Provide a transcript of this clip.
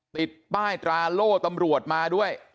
ติดป้ายตราโล่ตำรวจมาด้วย